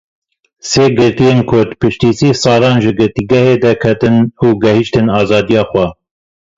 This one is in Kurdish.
Sê girtiyên Kurd piştî sih salan ji girtîgehê derketin û gihiştin azadiya xwe.